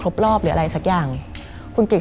มันกลายเป็นรูปของคนที่กำลังขโมยคิ้วแล้วก็ร้องไห้อยู่